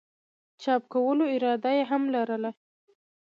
چاپ کولو اراده ئې هم لرله